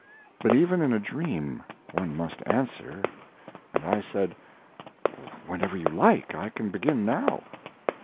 But even in a dream one must answer, and I said: "Whenever you like. I can begin now."